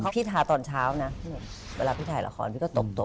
พี่ทาตอนเช้านะเวลาพี่ถ่ายละครพี่ก็ตบ